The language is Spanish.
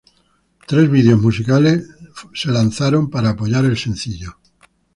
Tres videos musicales fueron lanzados para apoyar el sencillo.